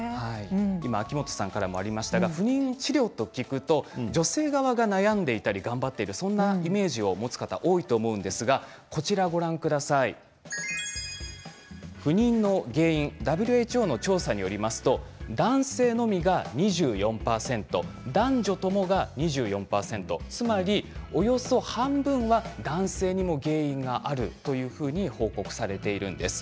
今、秋元さんからもありましたが不妊治療と聞くと女性側が悩んでいたり頑張っているそんなイメージを持つ方多いと思いますが不妊の原因ＷＨＯの調査によりますと男性のみが２４％男女ともが２４％つまり、およそ半分が男性にも原因があるというふうに報告されているんです。